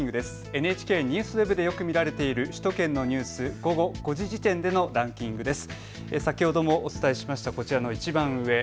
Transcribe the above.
ＮＨＫＮＥＷＳＷＥＢでよく見られている首都圏のニュース、午後５時時点でのランキングです。